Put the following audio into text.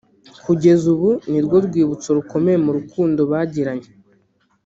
kugeza ubu ni rwo rwibutso rukomeye mu rukundo bagiranye